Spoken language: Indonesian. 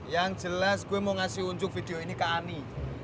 yang jelas gue mau ngasih unjuk video ini ke ani